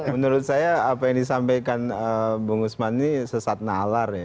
menurut saya apa yang disampaikan bung usman ini sesat nalar ya